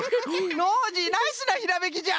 ノージーナイスなひらめきじゃ！